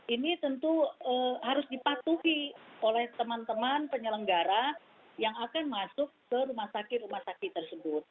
ini tentu harus dipatuhi oleh teman teman penyelenggara yang akan masuk ke rumah sakit rumah sakit tersebut